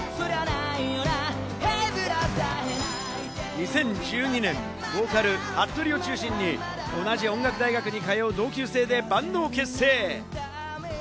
２０１２年、ボーカル・はっとりを中心に同じ、音楽大学に通う同級生でバンドを結成。